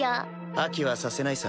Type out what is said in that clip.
破棄はさせないさ。